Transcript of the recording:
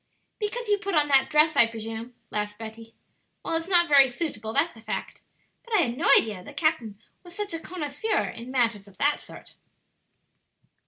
"Because you put on that dress, I presume," laughed Betty. "Well, it's not very suitable, that's a fact. But I had no idea that the captain was such a connoisseur in matters of that sort."